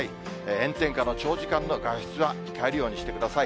炎天下の長時間の外出は控えるようにしてください。